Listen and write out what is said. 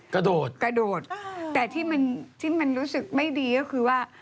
กระโดดกระโดดแต่ที่มันที่มันรู้สึกไม่ดีก็คือว่า